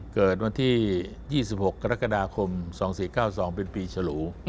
เกิดวันที่๒๖กรกฎาคม๒๔๙๒เป็นปีฉลู